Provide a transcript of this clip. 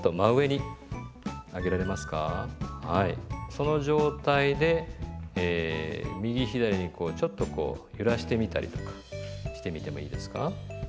その状態で右左にこうちょっとこう揺らしてみたりとかしてみてもいいですか。